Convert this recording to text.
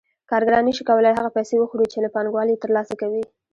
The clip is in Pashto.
کارګران نشي کولای هغه پیسې وخوري چې له پانګوال یې ترلاسه کوي